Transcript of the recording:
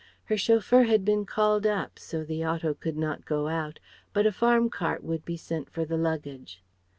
Her chauffeur had been called up, so the auto could not go out, but a farm cart would be sent for the luggage.